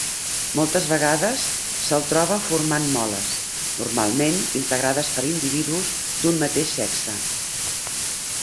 Moltes vegades se'l troba formant moles, normalment integrades per individus d'un mateix sexe.